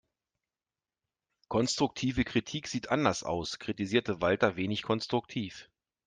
Konstruktive Kritik sieht anders aus, kritisierte Walter wenig konstruktiv.